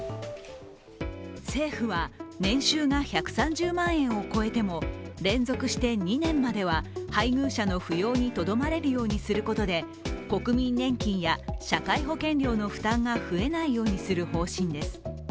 政府は年収が１３０万円を超えても連続して２年までは配偶者の扶養にとどまれるようにすることで、国民年金や、社会保険料の負担が増えないようにする方針です。